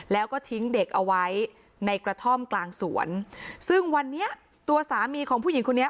แล้วก็ทิ้งเด็กเอาไว้ในกระท่อมกลางสวนซึ่งวันนี้ตัวสามีของผู้หญิงคนนี้